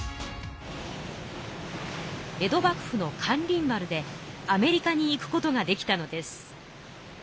江戸幕府の咸臨丸でアメリカに行くことができたのです。